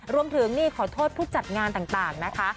รวมถึงนี่ขอโทษผู้จัดงานต่างนะคะ